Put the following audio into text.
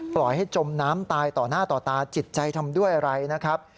ปล่อยให้จมน้ำตายต่อหน้าต่อตาจิตใจทำด้วยอะไรนะครับ